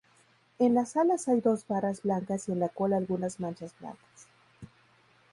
En las alas hay dos barras blancas y en la cola algunas manchas blancas.